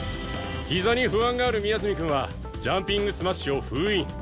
ひざに不安がある宮澄くんはジャンピングスマッシュを封印。